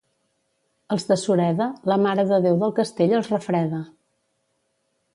Els de Sureda, la Mare de Déu del Castell els refreda.